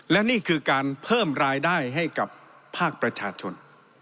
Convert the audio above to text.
และนี่คือการเพิ่มรายได้ให้กับภาคประชาชน